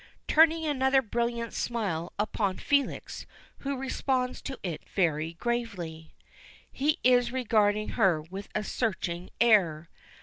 turning another brilliant smile upon Felix, who responds to it very gravely. He is regarding her with a searching air.